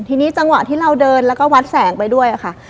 ทีนี้จังหวะที่เราเดินแล้วก็วัดแสงไปด้วยค่ะ